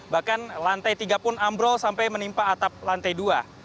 bahkan lantai tiga pun ambrol sampai menimpa atap lantai dua